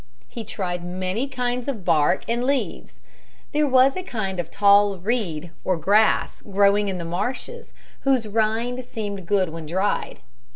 He tried many kinds of bark and leaves. There was a kind of tall reed or grass growing in the marshes whose rind seemed good when dried.